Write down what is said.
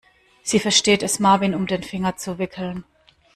Sie versteht es, Marvin um den Finger zu wickeln.